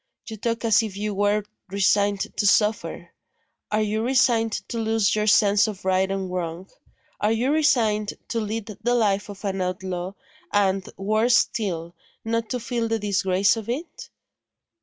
You talk as if you were resigned to suffer. Are you resigned to lose your sense of right and wrong? Are you resigned to lead the life of an outlaw, and worse still not to feel the disgrace of it?"